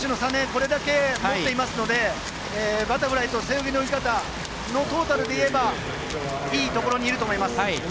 これだけ、もっていますのでバタフライ背泳ぎのトータルでいえばいいところにいると思います。